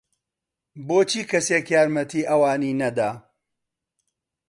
بۆچی کەسێک یارمەتیی ئەوانی نەدا؟